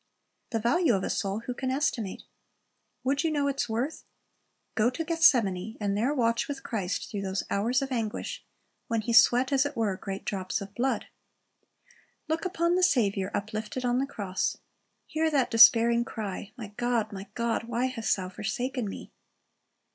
The value of a soul, who can estimate? Would you know its worth, go to Gethsemane, and there watch with Christ through those hours of anguish, when He sweat as it were great drops of blood. Look upon the Saviour uplifted on the cross. Hear that despairing cry, "My God, My God, why hast thou forsaken Me?"